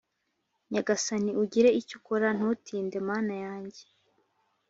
Nyagasani ugire icyo ukora ntutinde Mana yanjye